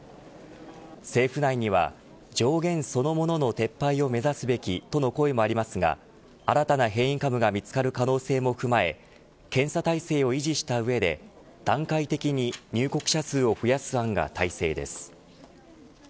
政府内には上限そのものの撤廃を目指すべきとの声もありますが新たな変異株が見つかる可能性も踏まえ検査態勢を維持した上で段階的に入国者数を増やす案が大勢です。